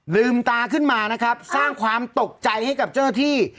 ลืมตาขึ้นมานะครับสร้างความตกใจให้กับเจ้าที่